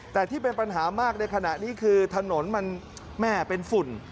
แต่ที่เป็นปัญหามากในขณะนี้คือถนนมันแม่เป็นฝุ่น